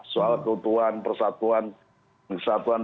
soal keutuhan persatuan